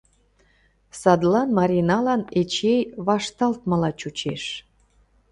Садлан Мариналан Эчей вашталтмыла чучеш...